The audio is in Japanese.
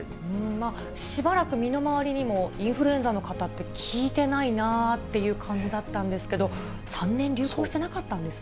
しばらく身の回りにも、インフルエンザの方って聞いてないなあっていう感じだったんですけど、３年流行してなかったんですね。